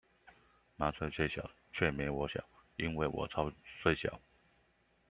麻雀雖小卻沒我小，因為我超雖小